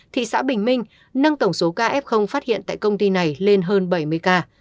thị xã bình minh nâng tổng số ca f phát hiện tại công ty này lên hơn bảy mươi ca